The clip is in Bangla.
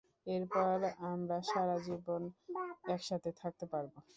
এরপর আমরা সারাজীবন একসাথে থাকতে পারবো!